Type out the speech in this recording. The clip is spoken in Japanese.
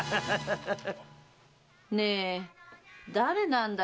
ねえ誰なんだい？